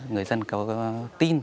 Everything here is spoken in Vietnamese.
người dân có tin